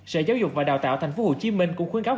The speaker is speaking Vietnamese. sở giáo dục và đào tạo tp hcm cũng khuyến cáo